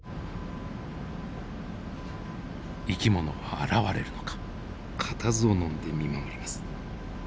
生き物は現れるのか固唾をのんで見守ります。